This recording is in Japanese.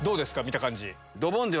見た感じ。